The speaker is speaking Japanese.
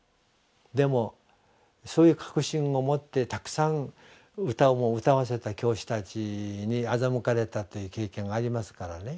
でもそういう確信を持ってたくさん歌も歌わせた教師たちに欺かれたという経験がありますからね